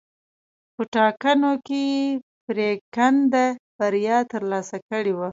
په ټاکنو کې یې پرېکنده بریا ترلاسه کړې وه.